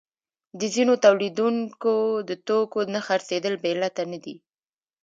د ځینو تولیدونکو د توکو نه خرڅېدل بې علته نه دي